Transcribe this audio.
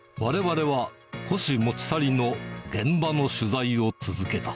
われわれは古紙持ち去りの現場の取材を続けた。